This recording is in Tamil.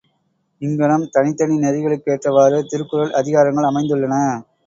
இங்ஙணம், தனித்தனி நெறிகளுக்கேற்றவாறு திருக்குறள் அதிகாரங்கள் அமைந்துள்ளன.